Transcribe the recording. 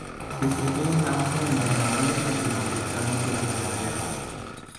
Disfrutó de un auge en los mercados latinoamericanos durante la Guerra.